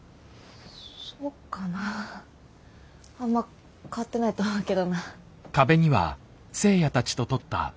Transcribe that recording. そっかなあんま変わってないと思うけどな。